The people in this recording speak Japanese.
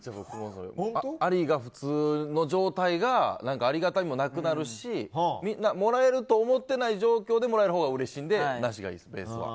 ありが普通の状態がありがたみもなくなるしもらえると思ってない状況でもらえるほうがうれしいのでなしがいいですわ。